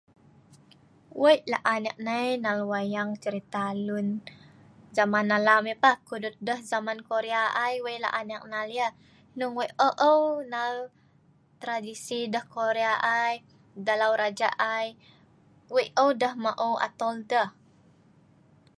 weik la'an ek nai nal wayang cerita lun zaman alam yeh pah kudut deh zaman Korea ai weik la'an ek nal yeh hnung weik eu eu nal tradisi deh Korea ai dalau raja ai weik eu deh maeu atol deh